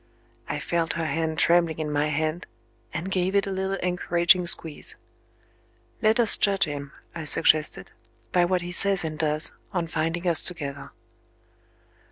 I felt her hand trembling in my hand, and gave it a little encouraging squeeze. "Let us judge him," I suggested, "by what he says and does, on finding us together."